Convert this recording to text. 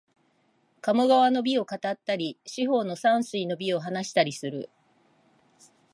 鴨川の美を語ったり、四方の山水の美を話したりする